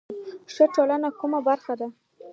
ښځه د ټولنې کومه برخه ده؟